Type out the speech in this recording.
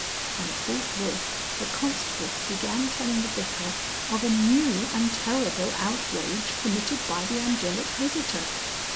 And forthwith the constable began telling the Vicar of a new and terrible outrage committed by the Angelic visitor.